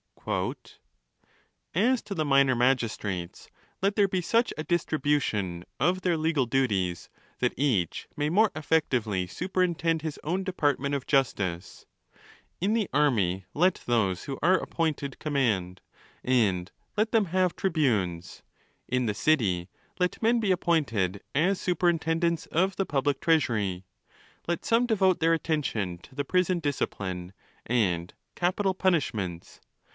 7 "As to the minor magistrates, let there be such a distribu tion of their legal duties, that each may more effectively superintend his own department of justice. In the army let those who are appointed command, and let them have tri bunes. In the city, let men be appointed as superintendents of the public treasury. Let some devote their attention to the prison discipline, and capital punishments.